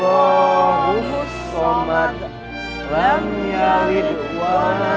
ini keprumelih diriku bisa